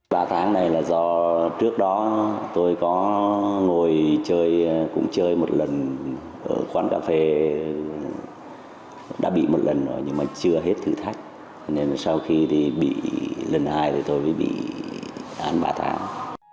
ba tháng này là do trước đó tôi có ngồi chơi cũng chơi một lần ở quán cà phê đã bị một lần rồi nhưng mà chưa hết thử thách nên sau khi thì bị lần hai thì tôi mới bị án ba tháng